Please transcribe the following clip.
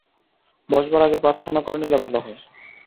বসবার আগে প্রার্থনা করে নিলে ভাল হয়।